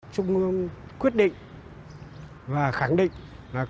trung ương quyết định và khẳng định là con đường